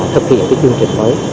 thực hiện cái chương trình mới